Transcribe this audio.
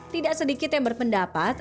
tidak sedikit yang berpendapat